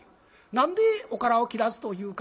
何で「おから」を「きらず」と言うか。